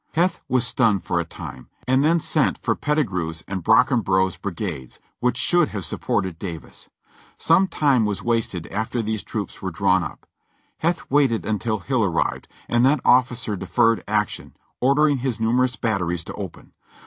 Heth was stunned for a time, and then sent for Pettigrew's and Brockenbrough's brigades, which should have supported Davis. Some time was wasted after those troops were drawn up. Heth waited until Hill arrived : and that offi cer deferred action, ordering his numerous batteries to open.